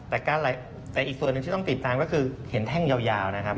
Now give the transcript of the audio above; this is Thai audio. แต่อีกส่วนนึงต้องติดตามก็คือเห็นแท่นยาว